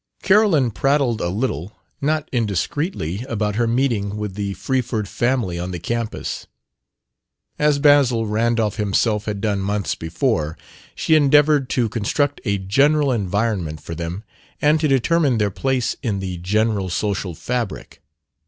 Carolyn prattled a little, not indiscreetly, about her meeting with the Freeford family on the campus. As Basil Randolph himself had done months before, she endeavored to construct a general environment for them and to determine their place in the general social fabric.